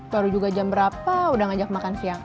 baru juga jam berapa udah ngajak makan siang